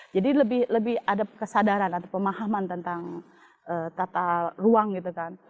jadi lebih ada kesadaran atau pemahaman tentang tata ruang gitu kan